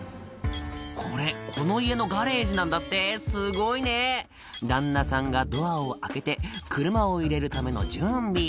これこの家のガレージなんだってすごいね旦那さんがドアを開けて車を入れるための準備